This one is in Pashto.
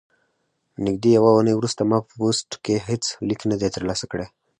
نږدې یوه اونۍ وروسته ما په پوسټ کې هیڅ لیک نه دی ترلاسه کړی.